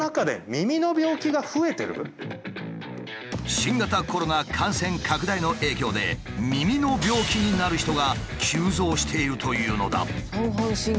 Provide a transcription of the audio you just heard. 新型コロナ感染拡大の影響で耳の病気になる人が急増しているというのだ。